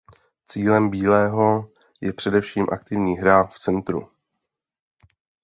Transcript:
Cílem bílého je především aktivní hra v centru.